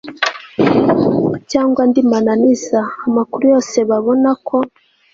cyangwa andi mananiza amakuru yose babona ko